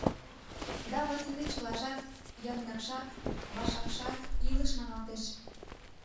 Да вот тиде чылажат — йырныкшат, вашакшат — илыш маналтеш.